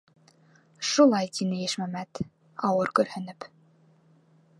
- Шулай тине Ишмәмәт, ауыр көрһөнөп.